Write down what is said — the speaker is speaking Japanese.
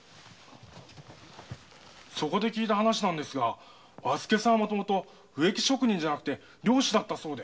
そこで聞いた話ですが和助さんは植木職人じゃなくて猟師だったそうで。